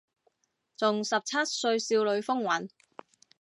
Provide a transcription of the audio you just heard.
仲十七歲少女風韻